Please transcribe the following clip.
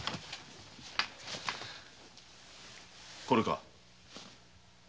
これか？